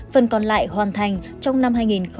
phần còn lại hoàn thành trong năm hai nghìn hai mươi